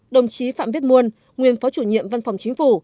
đồng chí phạm viết muôn nguyên phó chủ nhiệm văn phòng chính phủ